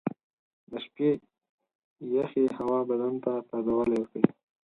• د شپې یخې هوا بدن ته تازهوالی ورکوي.